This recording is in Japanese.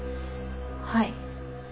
はい。